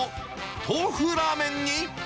豆腐ラーメンに。